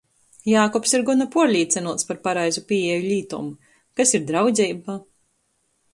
Jākubs ir gona puorlīcynuots par pareizu pīeju lītom. Kas ir draudzeiba?